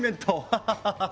ハハハハッ。